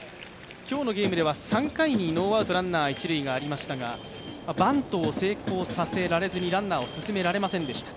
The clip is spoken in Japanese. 今日のゲームでは３回にノーアウト一塁がありましたがバントを成功させられずに、ランナーを進められませんでした。